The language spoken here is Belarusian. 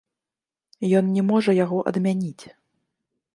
Ён не можа яго адмяніць.